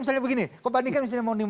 misalnya begini kalau dibandingkan